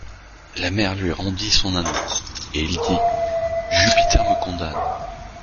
La mer lui rendit son anneau, et il dit : Jupiter me condamne.